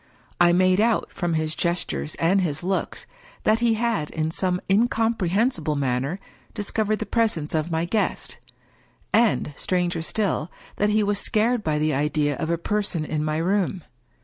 I made out, from his gestures and his looks, that he had, in some incomprehensible manner, dis covered the presence of my guest ; and, stranger still, that he was scared by the idea of a person in my room.